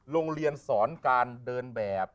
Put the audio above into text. โรงเรียนสอนการเดินแบบ